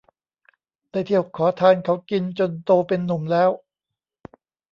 ได้เที่ยวขอทานเขากินจนโตเป็นหนุ่มแล้ว